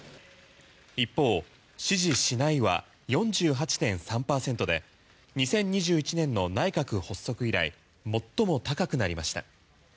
一方、支持しないは４８．３％で２０２１年の内閣発足以来最も高くなりました。